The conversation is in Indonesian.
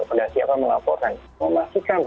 pada siapa melaporkan memastikan